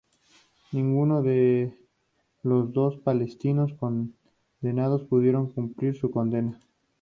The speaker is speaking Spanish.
Ninguno de los dos palestinos condenados pudieron cumplir su condena.